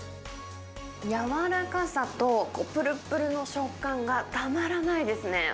柔らかさと、ぷるぷるの食感がたまらないですね。